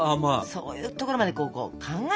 そういうところまでこう考えないと。